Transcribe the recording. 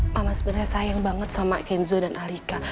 mama sebenarnya sayang banget sama kenzo dan alika